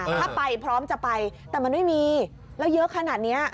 ถ้าไปพร้อมจะไปแต่มันไม่มีแล้วเยอะขนาดนี้